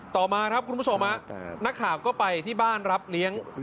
ต่อมาครับคุณผู้ชมนักข่าวก็ไปที่บ้านรับเลี้ยง